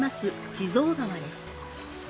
地蔵川です。